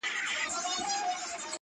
• له سړیو ساه ختلې ژوندي مړي پکښي ګرځي -